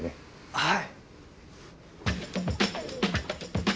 はい。